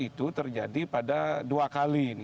itu terjadi pada dua kali